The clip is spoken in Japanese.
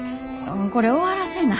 これ終わらせな。